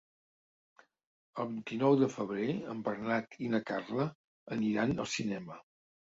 El vint-i-nou de febrer en Bernat i na Carla aniran al cinema.